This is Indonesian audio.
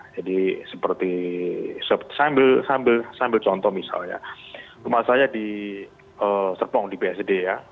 seperti sambil contoh misalnya rumah saya di serpong di bsd ya